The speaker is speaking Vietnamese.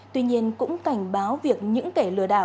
tuy nhiên cũng cảnh báo việc những kẻ lừa đảo